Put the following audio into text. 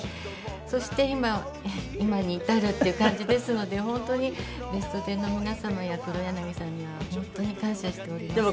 そして今に至るっていう感じですので本当に『ベストテン』の皆様や黒柳さんには本当に感謝しております。